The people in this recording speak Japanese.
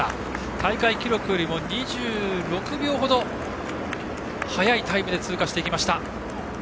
大会記録よりも２６秒程速いタイムで通過していきました。